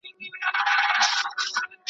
یا د وږو نس ته ځي لار یې دېګدان سي .